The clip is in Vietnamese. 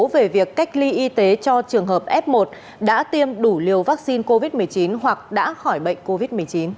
về việc cách ly y tế cho trường hợp f một đã tiêm đủ liều vaccine covid một mươi chín hoặc đã khỏi bệnh covid một mươi chín